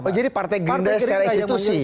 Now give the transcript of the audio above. oh jadi partai gerindra secara institusi